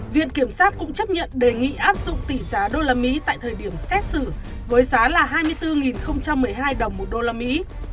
viện kiểm sát cũng chấp nhận đề nghị áp dụng tỷ giá đô la mỹ tại thời điểm xét xử với giá là hai mươi bốn một mươi hai đồng một đô la mỹ